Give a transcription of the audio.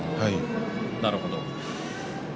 なるほど。